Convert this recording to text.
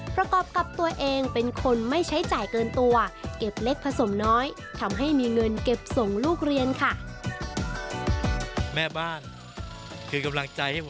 ประกอบกับตัวเองเป็นคนไม่ใช้จ่ายเกินตัวเก็บเล็กผสมน้อยทำให้มีเงินเก็บส่งลูกเรียนค่ะ